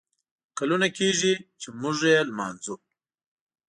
کلونه کیږي ، چې موږه لمانځو